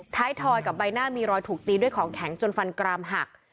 ทอยกับใบหน้ามีรอยถูกตีด้วยของแข็งจนฟันกรามหัก